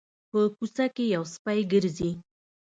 په کوڅه کې یو سپی ګرځي